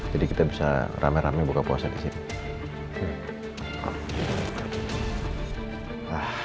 jadi kita bisa rame rame buka puasa di sini